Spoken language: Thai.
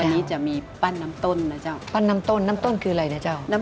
กรูผู้สืบสารล้านนารุ่นแรกแรกรุ่นเลยนะครับผม